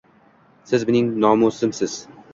Siz mening nomusimsiz